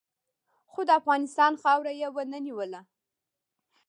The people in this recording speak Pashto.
خو د افغانستان خاوره یې و نه نیوله.